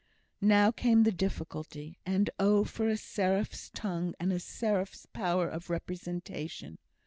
Now came the difficulty, and oh! for a seraph's tongue, and a seraph's powers of representation!